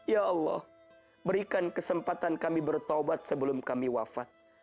ya allah berikan kesempatan kami bertaubat sebelum kami wafat